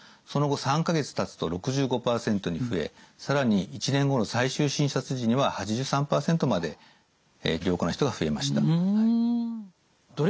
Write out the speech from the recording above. その後３か月たつと６５％に増え更に１年後の最終診察時には８３％まで良好な人が増えました。